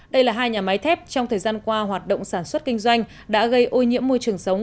đây là hai nhà máy thép trong thời gian qua hoạt động sản xuất kinh doanh đã gây ô nhiễm môi trường sống